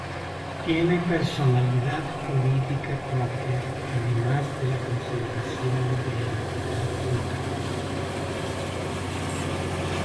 Tiene personalidad jurídica propia, además de la consideración de entidad local.